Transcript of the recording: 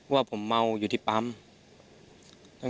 ว่าผมเมาอยู่ที่ปั๊ม